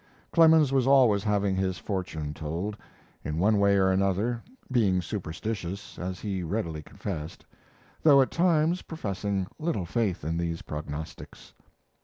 Clemens was always having his fortune told, in one way or another, being superstitious, as he readily confessed, though at times professing little faith in these prognostics.